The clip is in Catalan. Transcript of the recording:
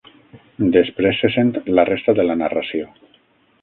Després se sent la resta de la narració.